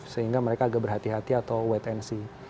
sehingga mereka agak berhati hati atau wait and see